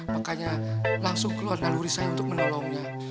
makanya langsung keluar dari luri saya untuk menolongnya